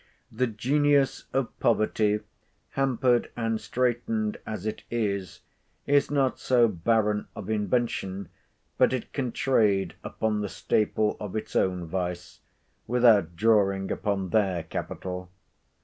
The Genius of Poverty, hampered and straitened as it is, is not so barren of invention but it can trade upon the staple of its own vice, without drawing upon their capital.